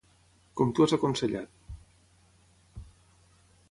Com tu has aconsellat.